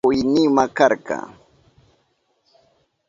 Kuynima karka.